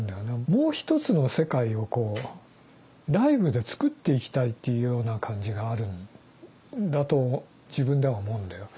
もう一つの世界をこうライブで作っていきたいっていうような感じがあるんだと自分では思うんだよ。